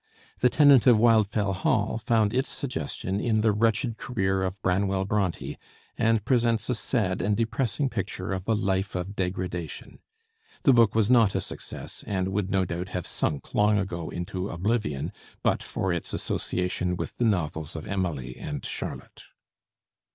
"The Tenant of Wildfell Hall" found its suggestion in the wretched career of Branwell Bronté, and presents a sad and depressing picture of a life of degradation. The book was not a success, and would no doubt have sunk long ago into oblivion but for its association with the novels of Emily and Charlotte.